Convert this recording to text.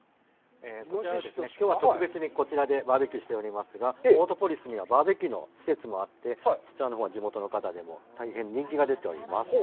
きょうはこちらでバーベキューをしておりますが、オートポリスにはバーベキューの施設もあって、そちらのほうは地元の方にも大変人気が出ております。